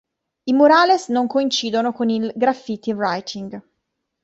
I murales non coincidono con il "graffiti writing".